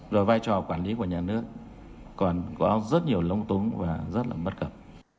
rồi vai trò quản lý của nhà nước còn có rất nhiều lông túng và rất là bất cập